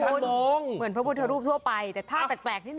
เหมือนเพราะว่าเธอรูปทั่วไปแต่ท่าแตกแปลกนิดนึง